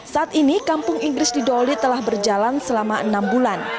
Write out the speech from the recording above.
saat ini kampung inggris di dolly telah berjalan selama enam bulan